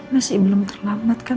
masih belum terlambat kan